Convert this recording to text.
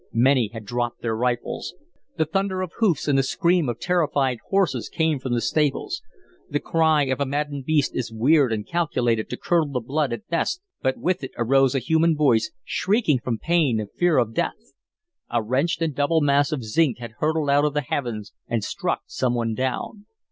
Many had dropped their rifles. The thunder of hoofs and the scream of terrified horses came from the stables. The cry of a maddened beast is weird and calculated to curdle the blood at best, but with it arose a human voice, shrieking from pain and fear of death. A wrenched and doubled mass of zinc had hurtled out of the heavens and struck some one down.